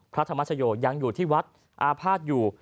พระธรรมชโยยังอยู่ที่วัดอาภาษณ์อยู่